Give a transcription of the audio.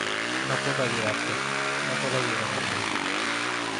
No puedo ayudarte. No puedo ayudar a nadie .